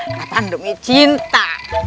nggak pandemi cinta